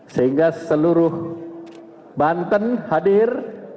sehingga seluruh banten hadir